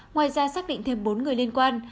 ngoài ra xác định thêm bốn người liên quan